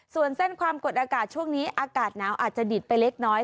ส่วนเส้นความกดอากาศช่วงนี้อากาศหนาวอาจจะดิดไปเล็กน้อย